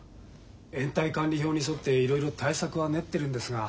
延滞管理表に沿っていろいろ対策は練ってるんですが。